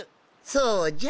そうじゃ。